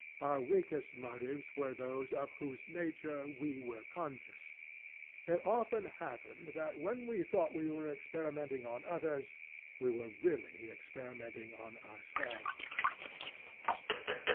Our weakest motives were those of whose nature we were conscious. It often happened that when we thought we were experimenting on others we were really experimenting on ourselves.